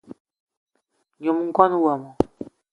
Nyom ngón wmo